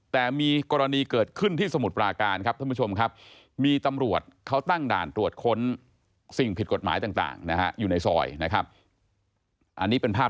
แต่มีกรณีเกิดขึ้นที่สมุดปลาการครับทุกผู้ชมครับ